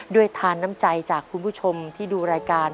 ทานน้ำใจจากคุณผู้ชมที่ดูรายการ